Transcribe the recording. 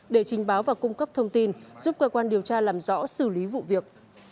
để trình báo và cung cấp thông tin giúp cơ quan điều tra làm rõ xử lý vụ việc